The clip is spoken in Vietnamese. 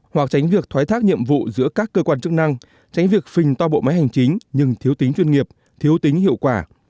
hoặc tránh việc thoái thác nhiệm vụ giữa các cơ quan chức năng tránh việc phình to bộ máy hành chính nhưng thiếu tính chuyên nghiệp thiếu tính hiệu quả